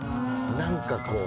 何かこう。